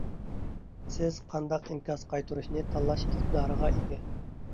سىز قانداق ئىنكاس قايتۇرۇشنى تاللاش ئىقتىدارىغا ئىگە.